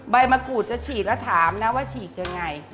ใบมะกรูดจะฉีกแล้วถามนะว่าฉีกยังไง